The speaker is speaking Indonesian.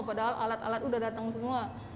padahal alat alat udah datang semua